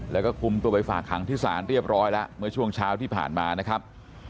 แล้วก็คุมตัวไปฝากขังที่ศาลเรียบร้อยแล้วเมื่อช่วงเช้าที่ผ่านมานะครับ